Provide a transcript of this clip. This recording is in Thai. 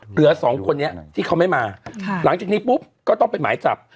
เหลือสองคนนี้ที่เขาไม่มาหลังจากนี้ปุ๊บก็ต้องเป็นหมายจับ